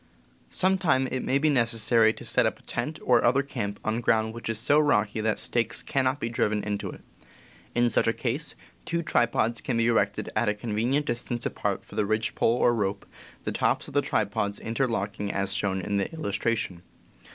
Some time it may be necessary to set up a tent or other camp on ground which is so rocky that stakes cannot be driven into it. In such case, ^R ^ k ^*^^ tripods can be erected at a con Ground venient distance apart for the ridge pole or rope, the tops of the tripods inter locking as shown in the illustration.